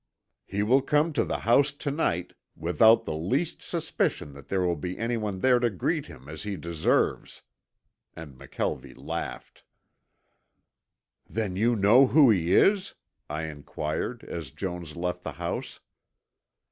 He will come to the house to night without the least suspicion that there will be anyone there to greet him as he deserves," and McKelvie laughed. "Then you know who he is?" I inquired, as Jones left the house.